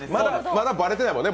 まだバレてないもんね